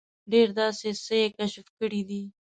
ډېر داسې څه یې کشف کړي دي.